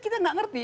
kita gak ngerti